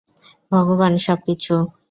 ভগবান, সবকিছু।